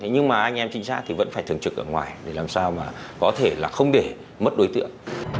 nhưng mà anh em trinh sát thì vẫn phải thường trực ở ngoài để làm sao mà có thể là không để mất đối tượng